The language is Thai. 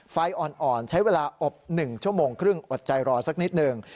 ไฟอ่อนใช้เวลาอบ๑ชั่วโมงครึ่งอดใจรอสักนิดหนึ่ง